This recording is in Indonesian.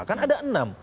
kan ada enam